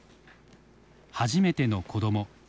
初めての子ども。